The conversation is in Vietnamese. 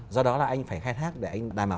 do đó là anh phải khai thác để anh đảm bảo